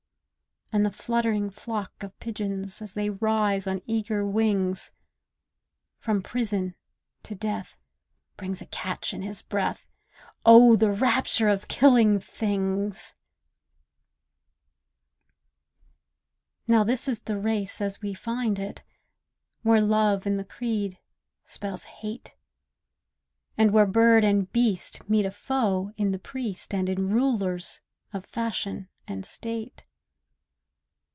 And the fluttering flock of pigeons, As they rise on eager wings, From prison to death, bring a catch in his breath: Oh, the rapture of killing things! Now, this is the race as we find it, Where love, in the creed, spells hate; And where bird and beast meet a foe in the priest And in rulers of fashion and State.